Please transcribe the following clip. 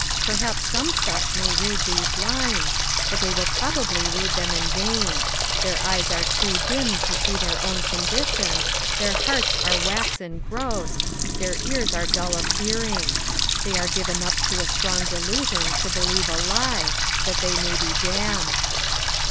Peiliaps some such may read these lines, but thej will probably read them in vain ; their eyes are too dim to see their own condition, their hearts are waxen gross, their ears are dull ut hearing ; they are given up to a strong delusion tu believe a lie, that they may be damned.